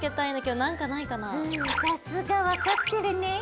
うんさすが分かってるねぇ。